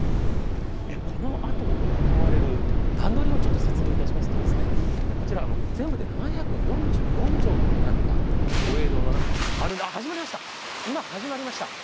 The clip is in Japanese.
このあと行われる段取りを説明いたしますと、こちら、全部で７４４畳の畳が始まりました、今、始まりました。